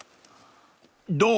［どう？］